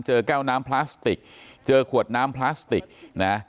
แก้วน้ำพลาสติกเจอขวดน้ำพลาสติกนะ